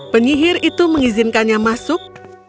penyihir itu mengizinkannya masuk